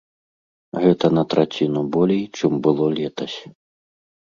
Гэта на траціну болей, чым было летась.